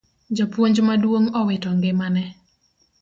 Japuonj maduong' owito ngimane